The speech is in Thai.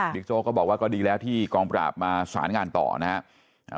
โจ๊กก็บอกว่าก็ดีแล้วที่กองปราบมาสารงานต่อนะครับ